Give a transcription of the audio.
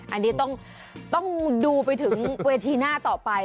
อันนี้ต้องต้องดูไปถึงเวอร์ธีน่าต่อไป